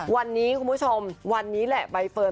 วันนี้คุณผู้ชมวันนี้แหละใบเฟิร์น